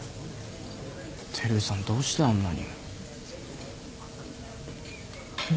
照井さんどうしてあんなに。